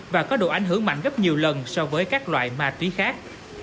và có độ ảnh hưởng mạnh gấp nhiều lần so với các loại ma túy khác